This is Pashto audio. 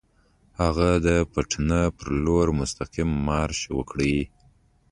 هغه د پټنه پر لور مستقیم مارش وکړي.